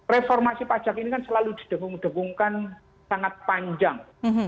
reformasi pajak ini kan selalu didengung dengungkan sangat panjang